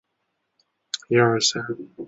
非语言讯息通常都比语言讯息来得真实。